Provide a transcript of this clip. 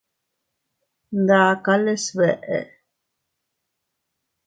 Ndakale sbeʼe.